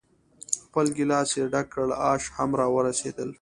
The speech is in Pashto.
خپل ګیلاس یې ډک کړ، آش هم را ورسېدل.